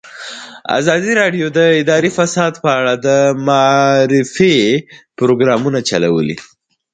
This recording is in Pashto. ازادي راډیو د اداري فساد په اړه د معارفې پروګرامونه چلولي.